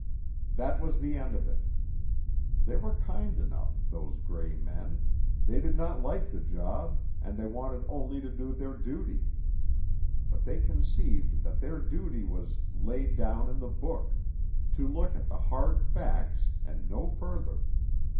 That was the end of it. They were kind enough, those grey men; they did not like the job, and they wanted only to do their duty. But they conceived that their duty was 'laid down in The Book,' to look at the 'hard facts,' and no further.